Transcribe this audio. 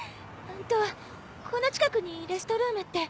んとこの近くにレストルームって。